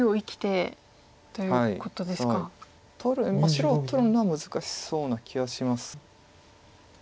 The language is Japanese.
白を取るのは難しそうな気はします。